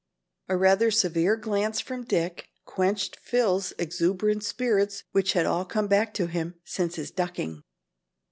A rather severe glance from Dick quenched Phil's exuberant spirits which had all come back to him since his ducking.